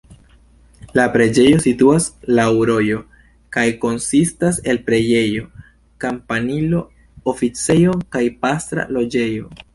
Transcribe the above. La preĝejo situas laŭ rojo kaj konsistas el preĝejo, kampanilo, oficejo kaj pastra loĝejo.